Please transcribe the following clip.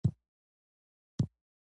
دوی مس او اوسپنه د پیسو پر ځای کارول.